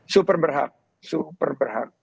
super berhak super berhak